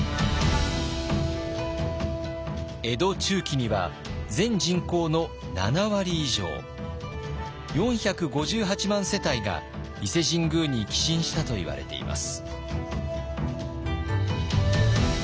江戸中期には全人口の７割以上４５８万世帯が伊勢神宮に寄進したといわれています。